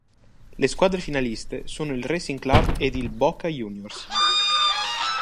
Le squadre finaliste sono il Racing Club ed il Boca Juniors.